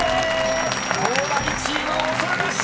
［東大チーム恐るべし］